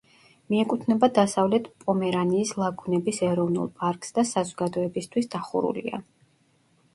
მიეკუთვნება დასავლეთ პომერანიის ლაგუნების ეროვნულ პარკს და საზოგადოებისთვის დახურულია.